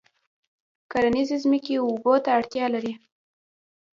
کرنیزې ځمکې اوبو ته اړتیا لري.